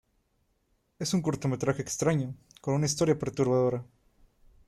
Es un cortometraje extraño con una historia perturbadora.